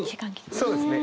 そうですね。